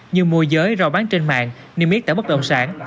như môi giới rồi bán trên mạng niêm yết tại bất động sản